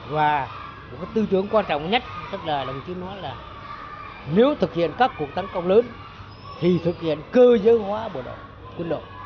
và một tư tưởng quan trọng nhất các đồng chí nói là nếu thực hiện các cuộc tấn công lớn thì thực hiện cơ giới hóa bộ đội quân đội